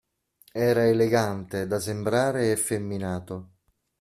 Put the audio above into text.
Era elegante da sembrare effeminato.